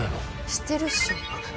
してるっしょ。